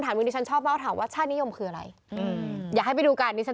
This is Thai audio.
เขามีเท่าไรเท่าหลายเดียวช่วยดูเท่านั้น